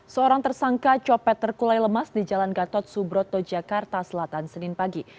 seorang tersangka copet terkulai lemas di jalan gatot subroto jakarta selatan senin pagi